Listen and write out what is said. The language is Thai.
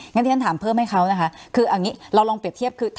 งั้นที่ฉันถามเพิ่มให้เขานะคะคือเอางี้เราลองเปรียบเทียบคือ